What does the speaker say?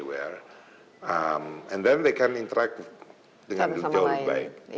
dan kemudian mereka bisa berinteraksi dengan jodhpur